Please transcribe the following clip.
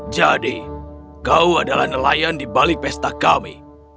jadi kau adalah nelayan di balik pesta kami